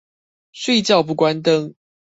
睡覺不關燈